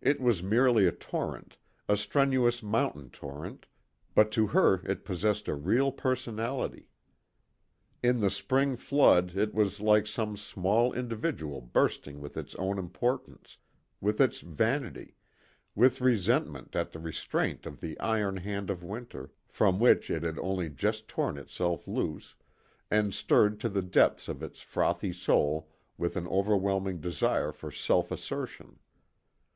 It was merely a torrent, a strenuous mountain torrent, but to her it possessed a real personality. In the spring flood it was like some small individual bursting with its own importance, with its vanity, with resentment at the restraint of the iron hand of winter, from which it had only just torn itself loose, and stirred to the depths of its frothy soul with an overwhelming desire for self assertion.